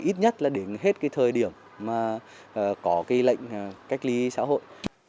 ít nhất là đến hết thời điểm có lệnh cách ly xã hội